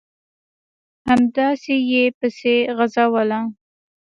همداسې یې پسې غځوله ...